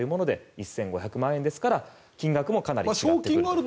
玲戦で１５００万円なので金額もかなり違っている。